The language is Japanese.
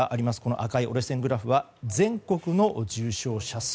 赤い折れ線グラフは全国の重症者数。